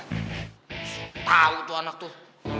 setau tuh anak tuh